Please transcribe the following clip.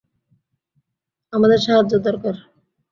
আমাদের সাহায্য দরকার!